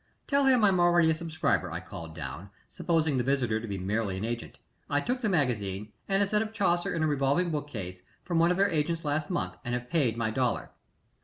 "Tell him I'm already a subscriber," I called down, supposing the visitor to be merely an agent. "I took the magazine, and a set of Chaucer in a revolving bookcase, from one of their agents last month and have paid my dollar."